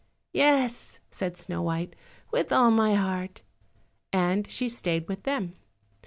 "Yes," said Snow white, "with all my heart," and she stayed with them.